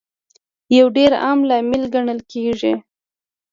یو ډېر عام لامل ګڼل کیږي